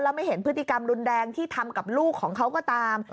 ไม่เห็นพฤติกรรมรุนแรงที่ทำกับลูกของเขาก็ตาม